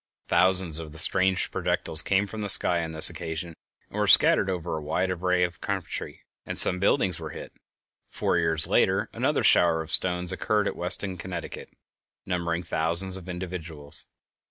Thousands of the strange projectiles came from the sky on this occasion, and were scattered over a wide area of country, and some buildings were hit. Four years later another shower of stones occurred at Weston, Conn., numbering thousands of individuals.